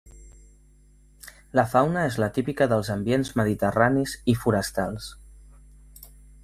La fauna és la típica dels ambients mediterranis i forestals.